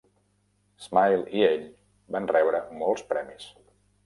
Smile i ell van rebre molts premis.